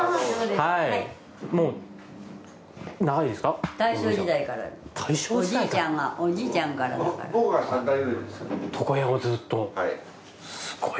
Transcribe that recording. はい。